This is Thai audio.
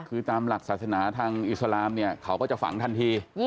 คือตามหลักศาสนาทางอิสลามเนี่ยเขาก็จะฝังทันที